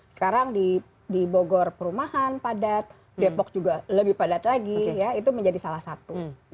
sekarang di bogor perumahan padat depok juga lebih padat lagi ya itu menjadi salah satu